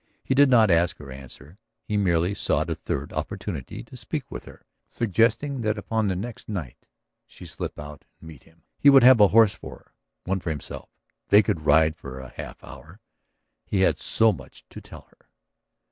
He did not ask her answer; he merely sought a third opportunity to speak with her, suggesting that upon the next night she slip out and meet him. He would have a horse for her, one for himself; they could ride for a half hour. He had so much to tell her.